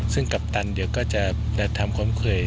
ซึ่งกัปตันเดี๋ยวก็จะทำค้นเคย